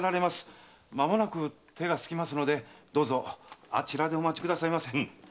まもなく手が空きますのでどうぞあちらでお待ちくださいませ。